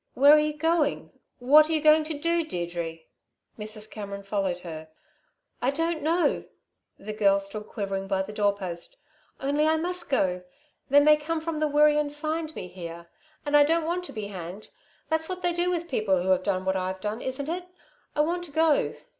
"Where are you going? What are you going to do, Deirdre?" Mrs. Cameron followed her. "I don't know!" The girl stood quivering by the doorpost. "Only I must go. They may come from the Wirree and find me here. And I don't want to be hanged that's what they do with people who have done what I've done, isn't it? I want to go.